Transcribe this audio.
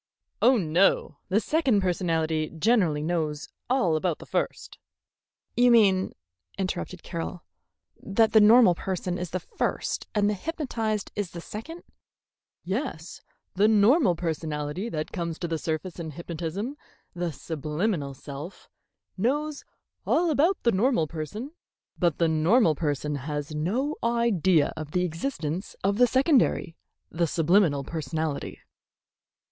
"Oh, no; the second personality generally knows all about the first " "You mean," interrupted Carroll, "that the normal person is the first and the hypnotized is the second?" "Yes. The personality that comes to the surface in hypnotism, the subliminal self, knows all about the normal person, but the normal person has no idea of the existence of the secondary, the subliminal personality."